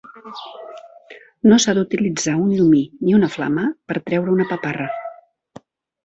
No s'ha d'utilitzar un llumí ni una flama per treure una paparra.